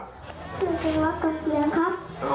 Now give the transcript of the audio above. ชื่อเล่นครับ